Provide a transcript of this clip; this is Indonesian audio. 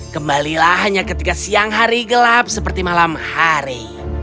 kembalilah hanya ketika siang hari gelap seperti malam hari